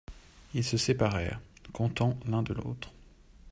Ils se séparèrent, contents l'un de l'autre.